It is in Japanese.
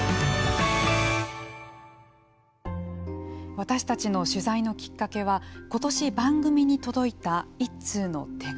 私たちの取材のきっかけは今年番組に届いた一通の手紙でした。